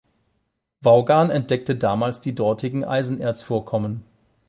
Vaughan entdeckte damals die dortigen Eisenerzvorkommen.